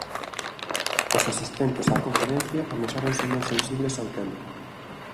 Os asistentes á conferencia amosáronse moi sensibles ao tema.